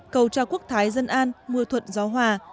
cầu cho quốc thái dân an mưa thuận gió hòa